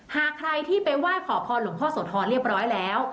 หากใครที่ไปไหว้ขอพรหลวงพ่อโสธรเรียบร้อยแล้ว